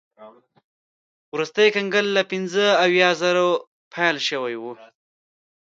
وروستی کنګل له پنځه اویا زرو پیل شوی و.